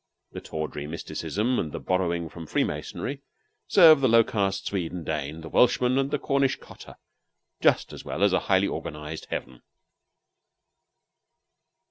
The tawdry mysticism and the borrowing from Freemasonry serve the low caste Swede and Dane, the Welshman and the Cornish cotter, just as well as a highly organized heaven.